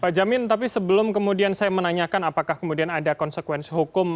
pak jamin tapi sebelum kemudian saya menanyakan apakah kemudian ada konsekuensi hukum